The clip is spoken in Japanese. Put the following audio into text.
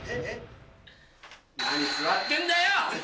何座ってんだよ！